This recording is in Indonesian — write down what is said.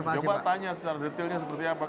coba tanya secara detailnya seperti apa